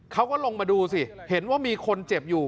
เขาก็ลงมาดูสิเห็นว่ามีคนเจ็บอยู่